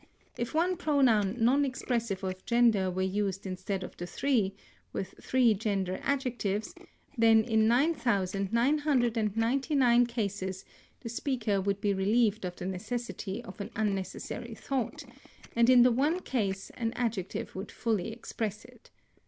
If one pronoun non expressive of gender were used instead of the three, with three gender adjectives, then in nine thousand nine hundred and ninety nine cases the speaker would be relieved of the necessity of an unnecessary thought, and in the one case an adjective would fully express it.